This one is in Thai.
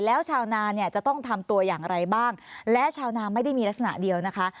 แล้วชาวนาเนี่ยจะต้องทำตัวอย่างไรบ้างและชาวนาไม่ได้มีลักษณะเดียวนะคะ